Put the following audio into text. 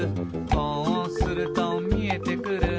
「こうするとみえてくる」